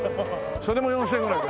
それも４０００円ぐらいだ。